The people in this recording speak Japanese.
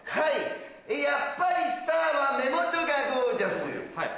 やっぱりスターは目元がゴージャス！